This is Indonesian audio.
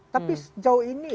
tapi sejauh ini